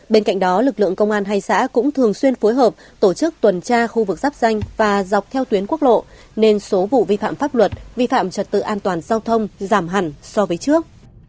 bên cạnh đó lực lượng công an hai xã cũng thường xuyên phối hợp tổ chức tuần tra khu vực giáp danh và dọc theo tuyến quốc lộ nên số vụ vi phạm pháp luật vi phạm trật tự an toàn giao thông giảm hẳn so với trước